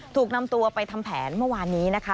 ถูกนำตัวไปทำแผนเมื่อวานนี้นะคะ